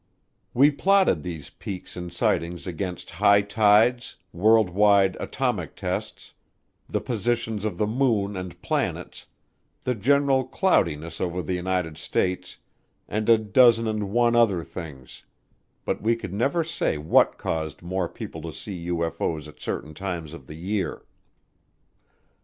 We plotted these peaks in sightings against high tides, world wide atomic tests, the positions of the moon and planets, the general cloudiness over the United States, and a dozen and one other things, but we could never say what caused more people to see UFO's at certain times of the year.